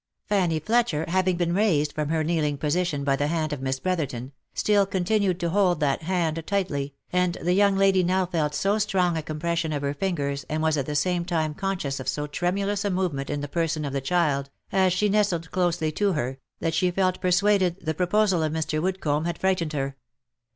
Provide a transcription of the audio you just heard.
Fanny Fletcher having been raised from her kneeling position by the hand of Miss Brotherton, still continued to hold that hand tightly, and the young lady now felt so strong a compression of her fingers, and was at the same time conscious of so tremulous a movement in s2 260 THE LIFE AND ADVENTURES the person of the child, as she nestled closely to her, that she felt persuaded the proposal of Mr. Woodcomb had frightened her.